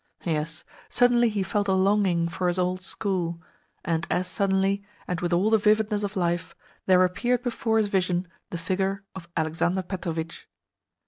Yes, suddenly he felt a longing for his old school; and as suddenly, and with all the vividness of life, there appeared before his vision the figure of Alexander Petrovitch.